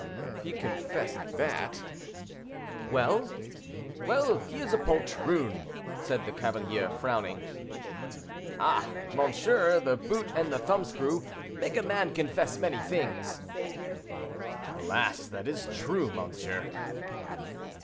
"If he confessed that—" "Well?" "Well, he is a poltroon!" said the cavalier, frowning. "Ah! monsieur, the boot and the thumb screw make a man confess many things." "Alas! that is true, monsieur."